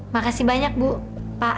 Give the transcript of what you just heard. makasih banyak bu pak